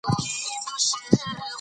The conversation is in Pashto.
لیکوال د ولس خدمت ته ژمن دی.